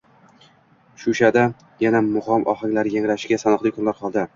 Shushada yana mug‘om ohanglari yangrashiga sanoqli kunlar qoldi